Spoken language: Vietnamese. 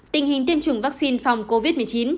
tình hình tiêm chủng vaccine phòng covid một mươi chín